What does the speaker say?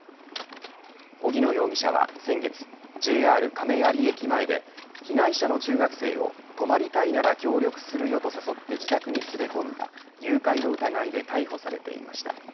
荻野容疑者は先月ＪＲ亀有駅前で被害者の中学生を泊まりたいなら協力するよと誘って自宅に連れ込んだ誘拐の疑いで逮捕されていました。